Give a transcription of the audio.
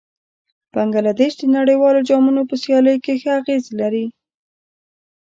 بنګله دېش د نړیوالو جامونو په سیالیو کې ښه اغېز لري.